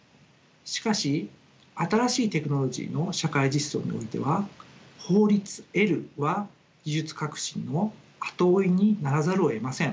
しかし新しいテクノロジーの社会実装においては法律は技術革新の後追いにならざるをえません。